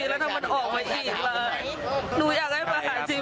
แล้วถ้ามันออกมาอีกล่ะหนูอยากได้ประหารชีวิต